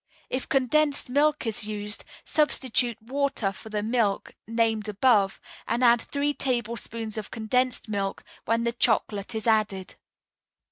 If condensed milk is used, substitute water for the milk named above and add three tablespoonfuls of condensed milk when the chocolate is added.